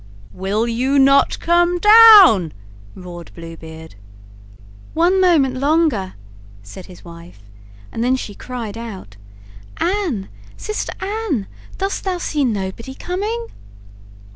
"Will you not come down?' roared Blue Beard. "One moment longer," said his wife, and then she cried out: "Anne, sister Anne, dost thou see nobody coming?"